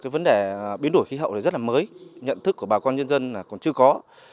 vấn đề biến đổi khí hậu rất là mới nhận thức của bà con nhân dân còn chưa có